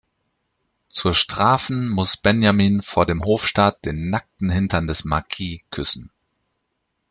Zur Strafen muss Benjamin vor dem Hofstaat den nackten Hintern des Marquis küssen.